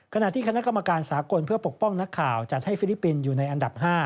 ขณะที่คณะกรรมการสากลเพื่อปกป้องนักข่าวจัดให้ฟิลิปปินส์อยู่ในอันดับ๕